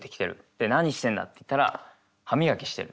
で「何してんだ」って言ったら「歯磨きしてる」。